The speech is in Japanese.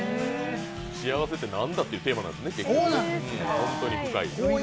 幸せって何だというテーマなんですね、結局。